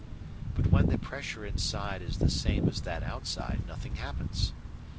But when the pressure inside is the same as that outside nothing happens.